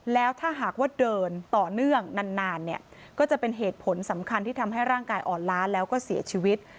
แล้วถ้าหากว่าเดินต่อเนื่องนานเนี่ยก็จะเป็นเหตุผลสำคัญที่ทำให้ร่างกายอ่อนล้าแล้วก็เสียชีวิต